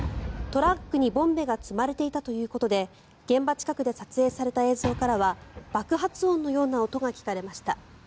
トラックにボンベが積まれていたということで現場近くで撮影された映像からは爆発音のような音が聞かれました。